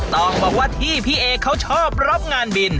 ต้องบอกว่าที่พี่เอเขาชอบรับงานบิน